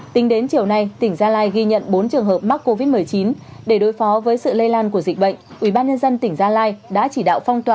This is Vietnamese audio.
tính đến chiều nay tỉnh gia lai ghi nhận bốn trường hợp mắc covid một mươi chín để đối phó với sự lây lan của dịch bệnh ubnd tỉnh gia lai đã chỉ đạo phong tỏa